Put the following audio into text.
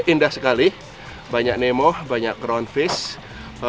indah sekali banyak nemo banyak crown fish